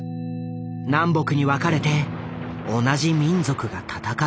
南北に分かれて同じ民族が戦っていた。